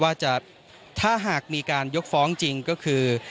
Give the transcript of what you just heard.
ถ้าหากมีการยกฟ้องจริงก็คือ